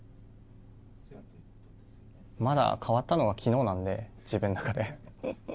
まだ変わったのは昨日なので自分の中で。